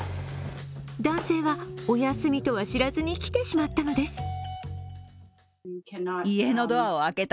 男性は、お休みとは知らずに来てしまったのです。